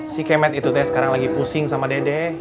si kemet itu teh sekarang lagi pusing sama dede